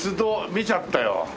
見ちゃったよ。